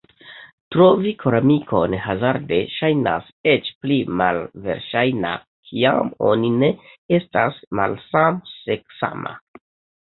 Trovi koramikon hazarde ŝajnas eĉ pli malverŝajna kiam oni ne estas malsamseksama.